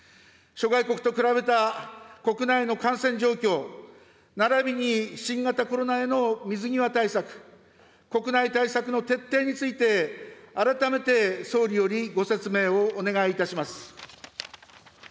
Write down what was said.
諸外国と比べた国内の感染状況、ならびに新型コロナへの水際対策、国内対策の徹底について、改めて総理よりご説明をお願いいたします。